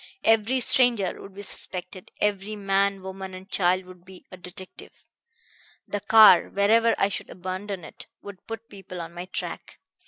Every stranger would be suspected; every man, woman and child would be a detective. The car, wherever I should abandon it, would put people on my track.